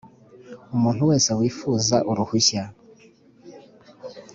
umuntu wese wifuza uruhushya